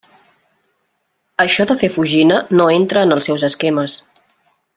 Això de fer fugina, no entra en els seus esquemes.